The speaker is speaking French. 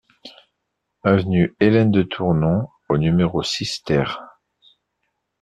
Avenue Hélène de Tournon au numéro six TER